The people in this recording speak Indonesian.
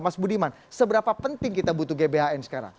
mas budiman seberapa penting kita butuh gbhn sekarang